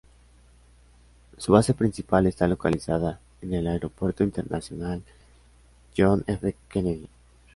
Su base principal está localizada en el Aeropuerto Internacional John F. Kennedy.